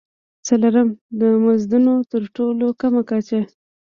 څلورم: د مزدونو تر ټولو کمه کچه.